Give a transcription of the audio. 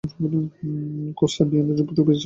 কস্তার DNA report পেয়েছি।